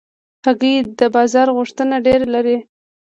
هګۍ د بازار غوښتنه ډېره لري.